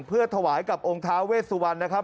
เพื่อถวายกับองค์ท้าเวสวรรณนะครับ